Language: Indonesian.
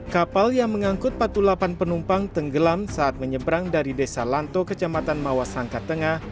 kapal yang mengangkut patulapan penumpang tenggelam saat menyeberang dari desa lanto kecamatan mawasangka tengah